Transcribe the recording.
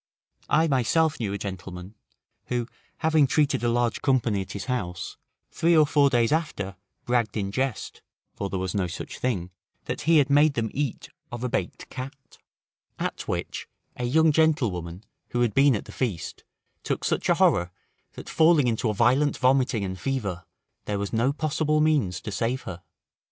I myself knew a gentleman, who having treated a large company at his house, three or four days after bragged in jest (for there was no such thing), that he had made them eat of a baked cat; at which, a young gentlewoman, who had been at the feast, took such a horror, that falling into a violent vomiting and fever, there was no possible means to save her.